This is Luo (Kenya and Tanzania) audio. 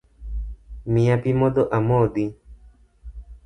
Miya pi modho amodhi.